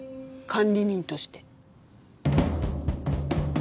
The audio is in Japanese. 管理人として。